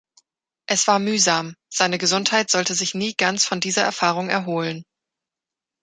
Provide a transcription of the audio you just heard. Es war mühsam – seine Gesundheit sollte sich nie ganz von dieser Erfahrung erholen.